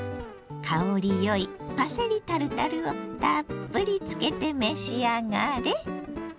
香りよいパセリタルタルをたっぷりつけて召し上がれ。